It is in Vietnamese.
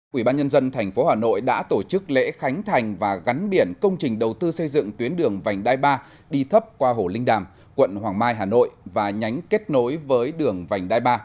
quỹ ban nhân dân tp hà nội đã tổ chức lễ khánh thành và gắn biển công trình đầu tư xây dựng tuyến đường vành đai ba đi thấp qua hồ linh đàm quận hoàng mai hà nội và nhánh kết nối với đường vành đai ba